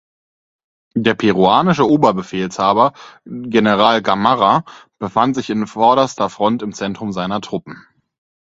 Der peruanische Oberbefehlshaber, General Gamarra befand sich in vorderster Front im Zentrum seiner Truppen.